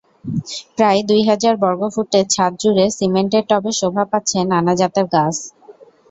প্রায় দুই হাজার বর্গফুটের ছাদজুড়ে সিমেন্টের টবে শোভা পাচ্ছে নানা জাতের গাছ।